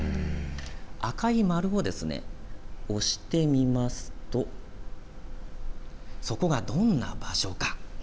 赤いマークを押してみますとそこがどんな場所か。